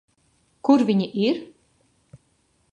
Kur viņi ir?